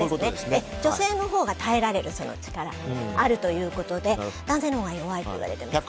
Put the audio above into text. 女性のほうが耐えられるその力があるということで男性のほうが弱いといわれています。